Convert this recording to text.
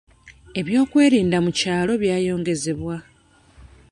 Ebyokwerinda mu kyalo byayongezebwa.